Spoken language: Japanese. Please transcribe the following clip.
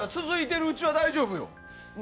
続いてるうちは大丈夫よ。